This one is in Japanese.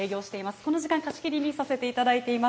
この時間、貸し切りにさせていただいています。